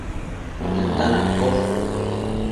titan accosh